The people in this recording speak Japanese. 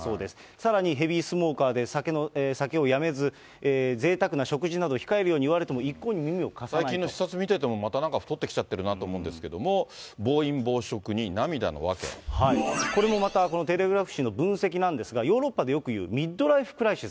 さらにヘビースモーカーで酒をやめず、ぜいたくな食事などを控えるように言われても一向に耳を貸さない最近の視察見てても、またなんか、太ってきちゃってるなと思うんですけども、暴飲暴食に涙のこれもまた、このテレグラフ紙の分析なんですが、ヨーロッパでよくいうミッドライフ・クライシス。